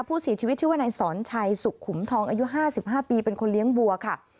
ผู้เสียชีวิตชื่อว่านายสอนชัยสุขุมทองอายุ๕๕ปีเป็นคนเลี้ยงบัวค่ะ